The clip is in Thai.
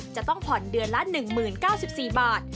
จะต้องผ่อนเดือนละ๑๐๙๔บาท